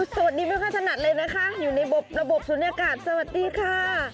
สวัสดีไม่ค่อยถนัดเลยนะคะอยู่ในระบบศูนยากาศสวัสดีค่ะ